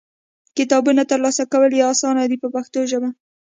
کتابونه ترلاسه کول یې اسانه دي په پښتو ژبه.